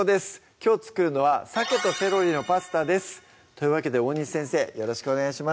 きょう作るのは「鮭とセロリのパスタ」ですというわけで大西先生よろしくお願いします